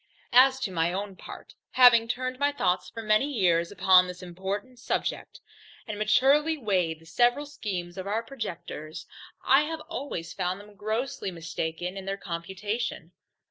As to my own part, having turned my thoughts for many years upon this important subject, and maturely weighed the several schemes of our projectors, I have always found them grossly mistaken in their computation.